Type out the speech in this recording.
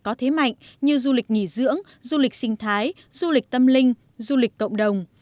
có thế mạnh như du lịch nghỉ dưỡng du lịch sinh thái du lịch tâm linh du lịch cộng đồng